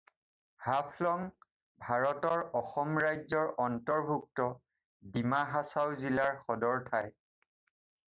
হাফলং ভাৰতৰ অসম ৰাজ্যৰ অন্তৰ্ভুক্ত ডিমা হাছাও জিলাৰ সদৰ ঠাই।